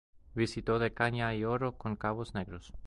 Vistió de caña y oro con cabos negros.